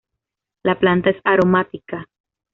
La planta es aromática.